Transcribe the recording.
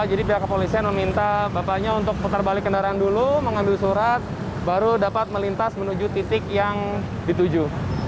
jadi pihak kepolisian meminta bapaknya untuk putar balik kendaraan dulu mengandung surat baru dapat melintas menuju titik yang dituju